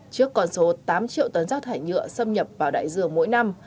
trước con số tám triệu tấn rác thải nhựa xâm nhập vào đại dương mỗi năm